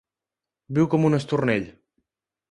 Viu com un estornell.